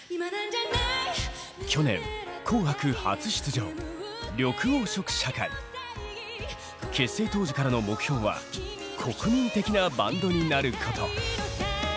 去年「紅白」初出場結成当時からの目標は「国民的なバンドになること」。